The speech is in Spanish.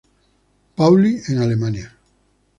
Pauli en Alemania.